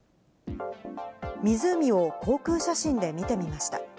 湖を航空写真で見てみました。